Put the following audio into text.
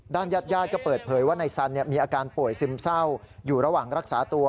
ญาติญาติก็เปิดเผยว่านายสันมีอาการป่วยซึมเศร้าอยู่ระหว่างรักษาตัว